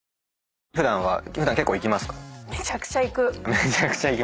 めちゃくちゃ行く。